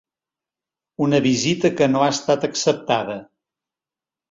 Una visita que no ha estat acceptada.